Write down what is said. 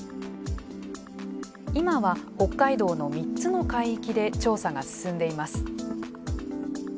今は、北海道の３つの海域で調査が進んでいます。